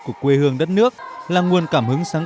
của quê hương đất nước là nguồn cảm hứng